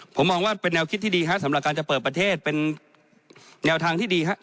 ผมมองว่าเป็นแนวคิดที่ดีฮะสำหรับการจะเปิดประเทศเป็นแนวทางที่ดีครับ